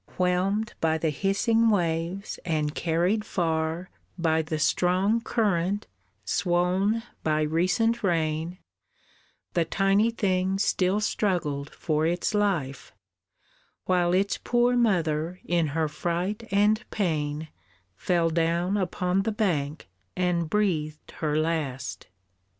Whelmed by the hissing waves and carried far By the strong current swoln by recent rain, The tiny thing still struggled for its life, While its poor mother, in her fright and pain, Fell down upon the bank, and breathed her last.